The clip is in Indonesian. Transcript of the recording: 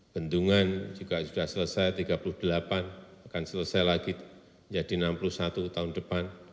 bendungan juga sudah selesai tiga puluh delapan akan selesai lagi menjadi enam puluh satu tahun depan